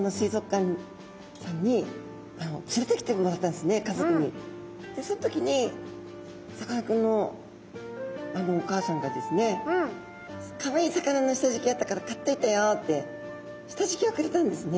でそん時にさかなクンのお母さんがですねかわいい魚のしたじきがあったから買っといたよってしたじきをくれたんですね。